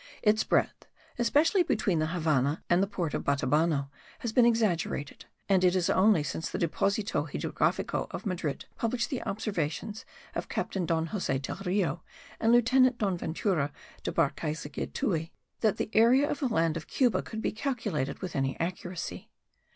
Its breadth, especially between the Havannah and the port of Batabano, has been exaggerated; and it is only since the Deposito hidrografico of Madrid published the observations of captain Don Jose del Rio, and lieutenant Don Ventura de Barcaiztegui, that the area of the island of Cuba could be calculated with any accuracy.